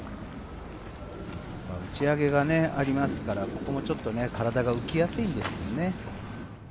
打ち上げがありますから、ここも体が浮きやすいんですよね。